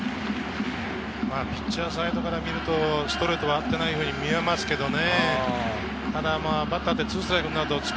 ピッチャーサイドから見るとストレートは合ってないふうに見えますけどね。